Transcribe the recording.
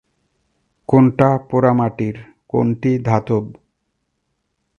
কোনটা পোড়ামাটির, কোনটি ধাতব।